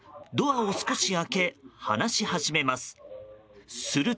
ドアを少し開け、話し始めます。